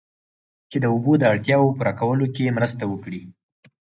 چې د اوبو د اړتیاوو پوره کولو کې مرسته وکړي